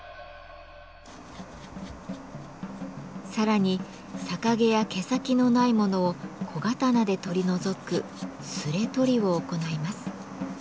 さらに逆毛や毛先のないものを小刀で取り除く「すれ取り」を行います。